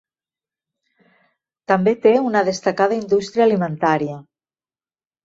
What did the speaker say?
També té una destacada indústria alimentària.